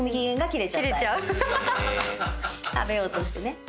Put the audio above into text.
食べようとしてね。